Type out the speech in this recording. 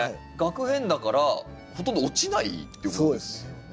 萼片だからほとんど落ちないっていうことですよね。